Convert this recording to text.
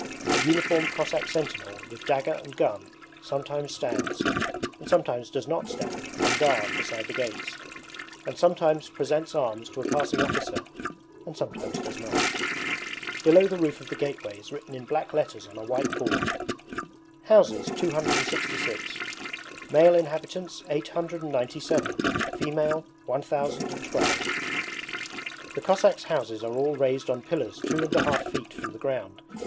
A uniformed Cossack sentinel with dagger and gun sometimes stands, and sometimes does not stand, on guard beside the gates, and sometimes presents arms to a passing officer and sometimes does not. Below the roof of the gateway is written in black letters on a white board: 'Houses 266: male inhabitants 897: female 1012.' The Cossacks' houses are all raised on pillars two and a half feet from the ground.